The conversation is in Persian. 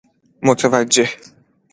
متوجه